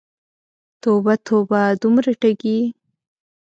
توبه، توبه، دومره ټګې!